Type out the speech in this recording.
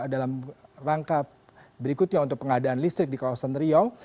dalam rangka berikutnya untuk pengadaan listrik di kawasan riau